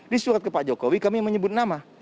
di surat ke pak jokowi kami menyebut nama